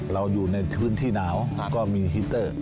เราอยู่ในพื้นที่หนาวก็มีฮิตเตอร์